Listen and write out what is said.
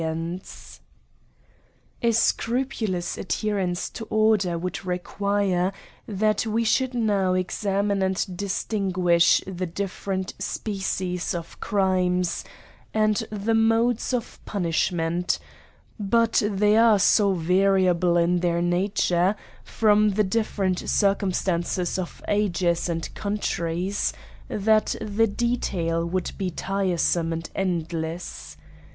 3'6 AN ESSAY ON A scrupulous adherence to order would require, that we should now examine and distinguibh the different species of crimes and the modes of pun ishment; but they are so variable in their nature, from the different circumstances of ages and coun tries, that the detail would be tiresome and endless.